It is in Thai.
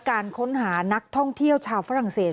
การค้นหานักท่องเที่ยวชาวฝรั่งเศส